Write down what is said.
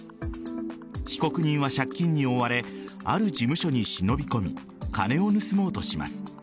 被告人は借金に追われある事務所に忍び込み金を盗もうとします。